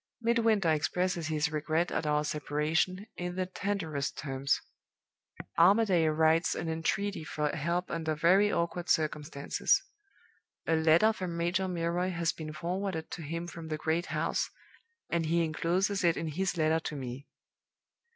Midwinter expresses his regret at our separation, in the tenderest terms. Armadale writes an entreaty for help under very awkward circumstances. A letter from Major Milroy has been forwarded to him from the great house, and he incloses it in his letter to me.